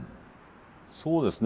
そうですね。